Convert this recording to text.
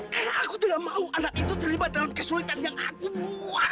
karena aku tidak mau anak itu terlibat dalam kesulitan yang aku buat